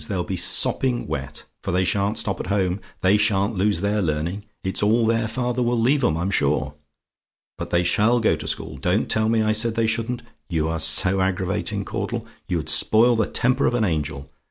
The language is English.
They'll be sopping wet; for they sha'n't stop at home they sha'n't lose their learning; it's all their father will leave 'em, I'm sure. But they SHALL go to school. Don't tell me I said they shouldn't: you are so aggravating, Caudle; you'd spoil the temper of an angel.